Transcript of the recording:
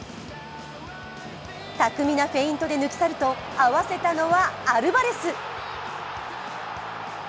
巧みなフェイントで抜きさると、合わせたのはアルバレス。